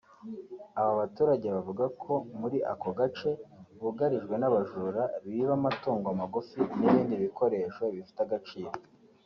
Aba baturage bavuga ko muri ako gace bugarijwe n’abajura biba amatungo magufi n’ibindi bikoresho bifite agaciro